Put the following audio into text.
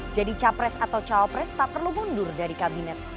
jadi capres atau caopres tak perlu mundur dari kabinet